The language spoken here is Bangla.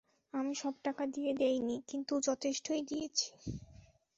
আমি সব টাকা দেই নি, কিন্তু যথেষ্টই দিয়েছি।